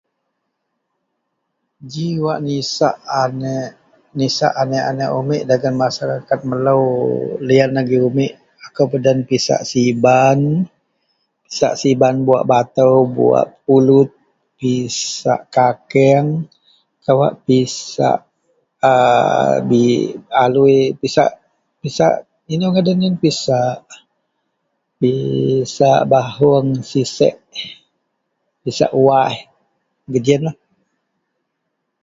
Ji wak nisak, nisak anek-anek umit dagen masyarakat melo liyan agei umit, ako peden pisak siban, pisak siban buwak bato, buwak pulut, pisak kakeang kawak pusak aloi, pisak ino ngadan bahuong sisiek, pisak was. Giyenlah.